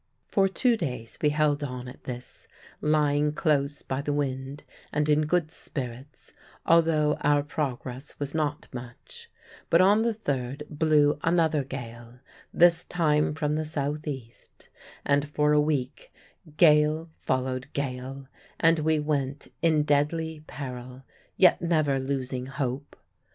For two days we held on at this, lying close by the wind, and in good spirits, although our progress was not much; but on the third blew another gale this time from the south east and for a week gale followed gale, and we went in deadly peril, yet never losing hope.